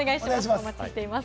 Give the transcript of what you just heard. お待ちしております。